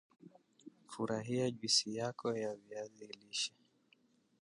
furahia juisi yako ya viazi lishe